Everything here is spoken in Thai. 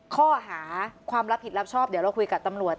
ข้อหาความรับผิดรับชอบเดี๋ยวเราคุยกับตำรวจ